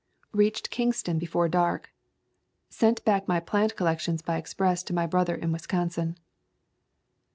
Reached Kingston before dark. Sent back my plant collections by express to my brother in Wisconsin.